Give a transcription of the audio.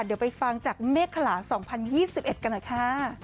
เดี๋ยวไปฟังจากเมฆขลา๒๐๒๑กันหน่อยค่ะ